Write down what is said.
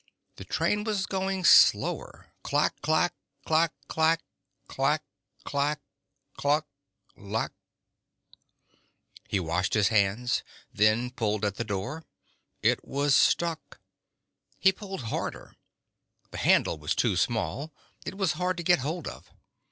The train was going slower, clack clack ... clack clack ... clack; clack ... cuh lack ... He washed his hands, then pulled at the door. It was stuck. He pulled harder. The handle was too small; it was hard to get hold of.